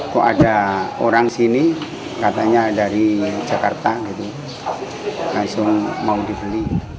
kok ada orang sini katanya dari jakarta gitu langsung mau dibeli